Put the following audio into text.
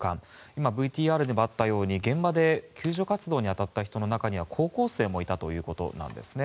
今、ＶＴＲにもあったように現場で救助活動に当たった人の中には高校生もいたということです。